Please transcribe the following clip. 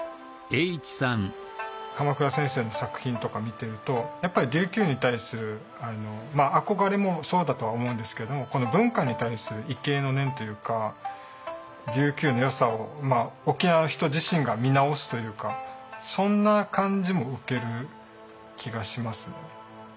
鎌倉先生の作品とか見てるとやっぱり琉球に対する憧れもそうだとは思うんですけれども文化に対する畏敬の念というか琉球のよさを沖縄の人自身が見直すというかそんな感じも受ける気がしますね。